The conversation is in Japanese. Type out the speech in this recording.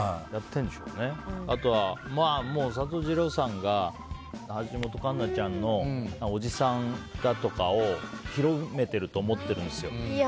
あとは佐藤二朗さんが橋本環奈ちゃんのおじさんだとかを広めてると思ってるんですよ。